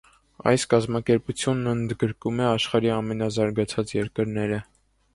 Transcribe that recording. Այս կազմակերպությունն ընդգրկում է աշխարհի ամենազարգացած երկրները։